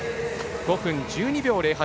５分１２秒０８。